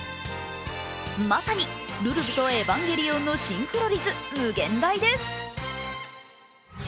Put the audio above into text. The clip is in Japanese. まさに「るるぶ」と「エヴァンゲリオン」のシンクロ率、無限大です。